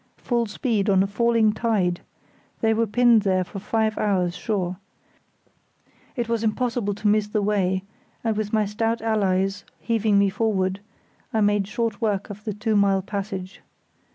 Full speed on a falling tide! They were pinned there for five hours sure. It was impossible to miss the way, and with my stout allies heaving me forward, I made short work of the two mile passage.